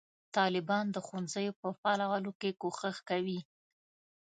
طالبان د ښوونځیو په فعالولو کې کوښښ کوي.